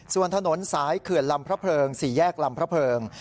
ส่วนถนนสายเขื่อนลำพระเพลิง๔แยกลำพระเพิง